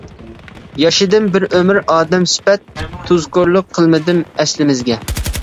ياشىدىم بىر ئۆمۈر ئادەم سۈپەت، تۇزكورلۇق قىلمىدىم ئەسلىمىزگە.